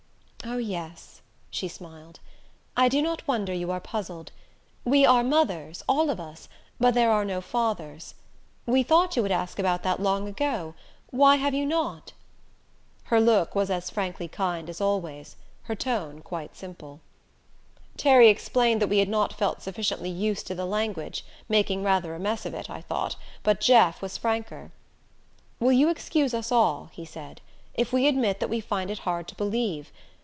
"Oh yes," she smiled. "I do not wonder you are puzzled. We are mothers all of us but there are no fathers. We thought you would ask about that long ago why have you not?" Her look was as frankly kind as always, her tone quite simple. Terry explained that we had not felt sufficiently used to the language, making rather a mess of it, I thought, but Jeff was franker. "Will you excuse us all," he said, "if we admit that we find it hard to believe?